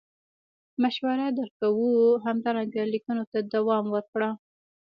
مشوره در کوو همدارنګه لیکنو ته دوام ورکړه.